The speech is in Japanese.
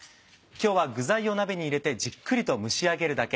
今日は具材を鍋に入れてじっくりと蒸し上げるだけ。